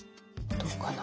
どうかな。